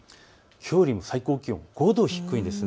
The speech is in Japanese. きょうよりも最高気温は５度低いです。